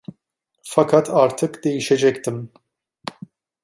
Fakat artık değişecektim.